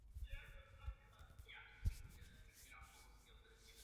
Při odpočinku se často shromažďuje větší počet ptáků.